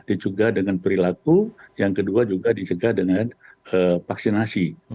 dicuga dengan perilaku yang kedua juga dicegah dengan vaksinasi